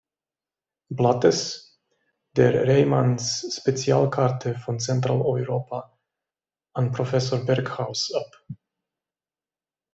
Blattes, der Reymann´s Special-Karte von Central-Europa, an Professor Berghaus ab.